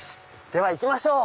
では行きましょう。